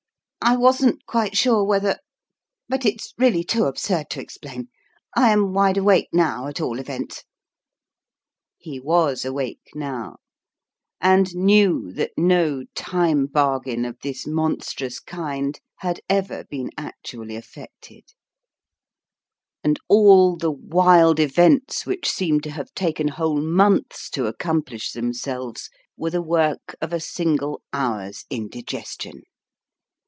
" I wasn't quite sure whether but it's really too absurd to explain. I am wide awake now, at all events !" He was awake now, and knew that no time bargain of this monstrous kind had ever been actually effected, and all the wild events which seemed to have taken whole months to accom 189 plish themselves, were the work of a single hour's indigestion